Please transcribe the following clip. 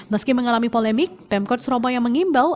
meski mengalami polemik pemkot surabaya mengimbau